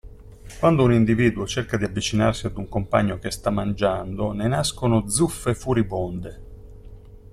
Quando un individuo cerca di avvicinarsi ad un compagno che sta mangiando, ne nascono zuffe furibonde.